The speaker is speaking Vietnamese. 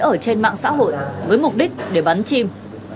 ở trên mạng xã hội với mục đích để bắn chim